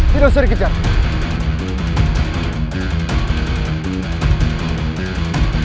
tidak usah dikejar